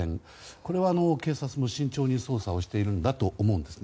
これは警察も慎重に捜査をしているんだと思うんですね。